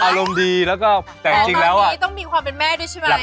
อารมณ์ดีแล้วก็แต่จริงแล้วอ่ะนี่ต้องมีความเป็นแม่ด้วยใช่ไหม